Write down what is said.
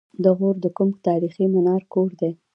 غور د کوم تاریخي منار کور دی؟